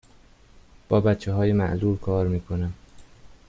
با بچه های معلول کار می کنم.